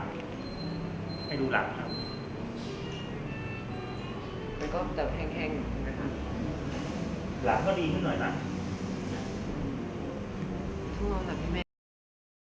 แขนเริ่มดีขึ้นแขนเริ่มดีขึ้นแขนเริ่มดีขึ้น